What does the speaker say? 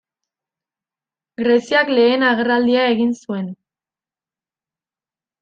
Greziak lehen agerraldia egin zuen.